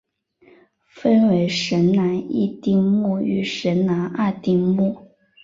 分为神南一丁目与神南二丁目。